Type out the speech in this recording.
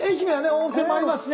温泉もありますしね。